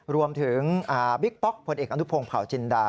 บิ๊กป๊อกผลเอกอนุพงศ์เผาจินดา